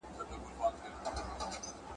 چي یوازي وه ککړي یې وهلې !.